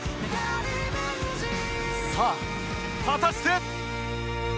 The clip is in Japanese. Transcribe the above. さあ果たして